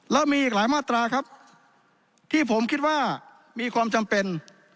แล้วมีอีกหลายมาตราครับที่ผมคิดว่ามีความจำเป็น